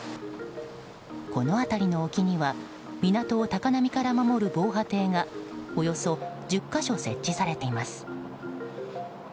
この辺りの沖には港を高波から守る防波堤がおよそ１０か所設置されています。